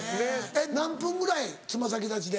えっ何分ぐらい爪先立ちで。